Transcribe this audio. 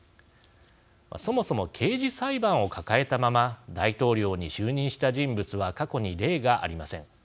そもそも、刑事裁判を抱えたまま大統領に就任した人物は過去に例がありません。